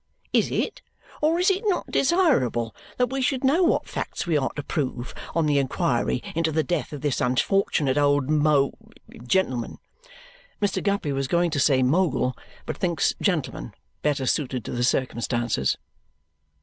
Is it or is it not desirable that we should know what facts we are to prove on the inquiry into the death of this unfortunate old mo gentleman?" (Mr. Guppy was going to say "mogul," but thinks "gentleman" better suited to the circumstances.)